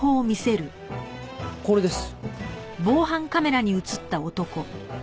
これです。